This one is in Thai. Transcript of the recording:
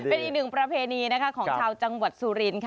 เป็นอีกหนึ่งประเภณีของชาวจังหวัดสุริน